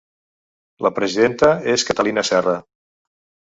La presidenta és Catalina Serra.